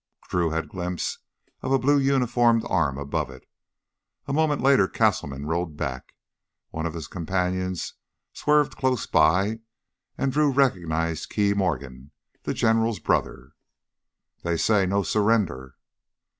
Drew had a glimpse of a blue uniformed arm above it. A moment later Castleman rode back. One of his companions swerved close by, and Drew recognized Key Morgan, the General's brother. "They say, 'No surrender.'"